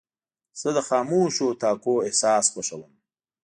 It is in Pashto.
زه د خاموشو اتاقونو احساس خوښوم.